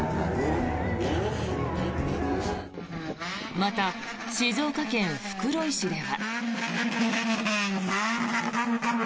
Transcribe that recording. また、静岡県袋井市では。